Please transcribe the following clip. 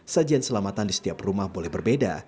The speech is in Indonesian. sajian selamatan di setiap rumah boleh berbeda